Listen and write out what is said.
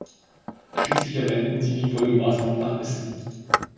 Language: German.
Schließlich erwähnten Sie die Folgemaßnahmen nach Essen.